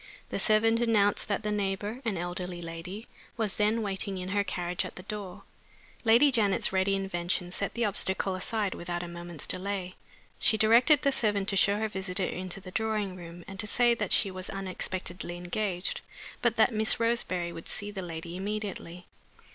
The servant announced that the neighbor an elderly lady was then waiting in her carriage at the door. Lady Janet's ready invention set the obstacle aside without a moment's delay. She directed the servant to show her visitor into the drawing room, and to say that she was unexpectedly engaged, but that Miss Roseberry would see the lady immediately.